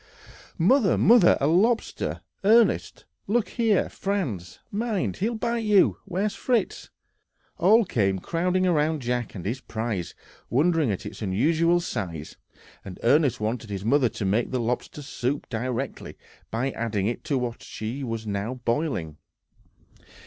"Mother, mother! a lobster, Ernest! look here, Franz! mind, he'll bite you! Where's Fritz?" All came crowding round Jack and his prize, wondering at its unusual size, and Ernest wanted his mother to make lobster soup directly, by adding it to what she was now boiling.